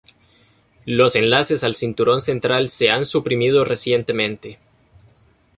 Los enlaces al cinturón central se han suprimido recientemente.